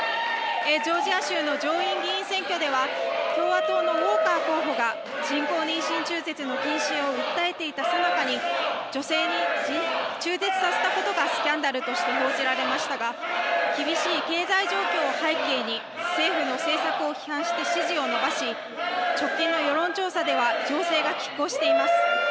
ジョージア州の上院議員選挙では共和党のウォーカー候補が人工妊娠中絶の禁止を訴えていたさなかに女性に中絶させたことがスキャンダルとして報じられましたが厳しい経済状況を背景に政府の政策を批判して支持を伸ばし、直近の世論調査では情勢がきっ抗しています。